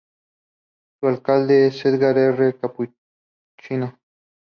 Su alcalde es Edgar R. Capuchino.